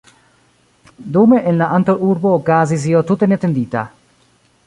Dume en la antaŭurbo okazis io tute neatendita.